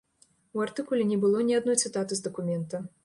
У артыкуле не было ні адной цытаты з дакумента.